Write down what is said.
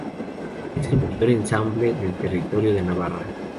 Es el mayor embalse del territorio de Navarra.